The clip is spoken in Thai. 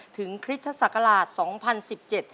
ถึงคริสต์ศักราช๒๐๑๗